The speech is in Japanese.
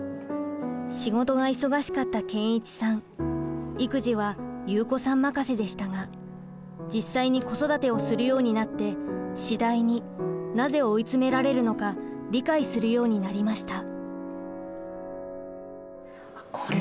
仕事が忙しかった健一さん育児は祐子さん任せでしたが実際に子育てをするようになって次第になぜ追い詰められるのか理解するようになりました。